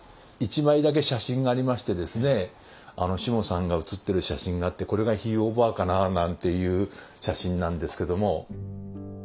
１枚だけ写真がありましてですねしもさんが写ってる写真があってこれがひいおばあかな？なんていう写真なんですけども。